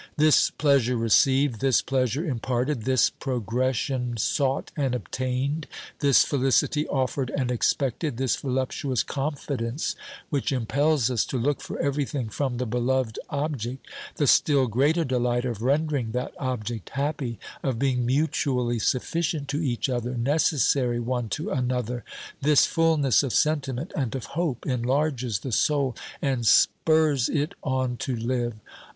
This pleasure received, this pleasure imparted, this pro gression sought and obtained, this felicity offered and ex pected, this voluptuous confidence which impels us to look for everything from the beloved object ; the still greater delight of rendering that object happy, of being mutually sufficient to each other, necessary one to another; this fulness of sentiment and of hope enlarges the soul and spurs it on to live.